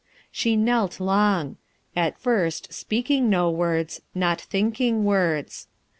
She knelt long; at first speaking no words, not thinking words.